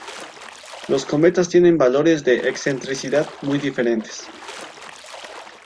Los cometas tienen valores de excentricidad muy diferentes.